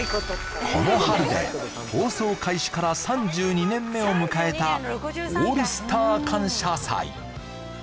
この春で放送開始から３２年目を迎えた「オールスター感謝祭」